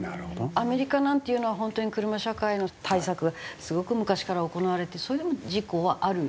アメリカなんていうのは本当に車社会の対策がすごく昔から行われてそれでも事故はある？